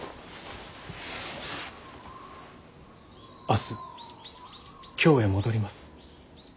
明日京へ戻ります。